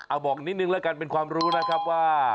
เอาบอกนิดนึงแล้วกันเป็นความรู้นะครับว่า